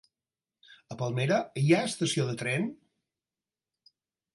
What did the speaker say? A Palmera hi ha estació de tren?